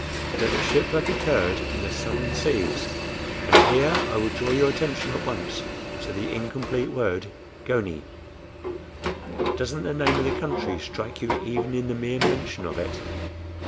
"That the shipwreck occurred in the southern seas; and here I would draw your attention at once to the incomplete word GONIE. Doesn't the name of the country strike you even in the mere mention of it?"